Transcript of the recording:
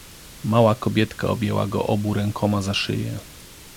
Mała kobietka objęła go obu rękoma za szyję.